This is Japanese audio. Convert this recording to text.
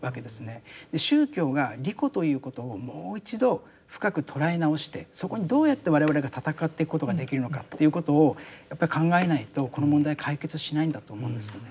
宗教が利己ということをもう一度深く捉え直してそこにどうやって我々がたたかっていくことができるのかということをやっぱり考えないとこの問題解決しないんだと思うんですよね。